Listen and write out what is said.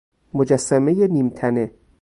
مجسمه نیم تنه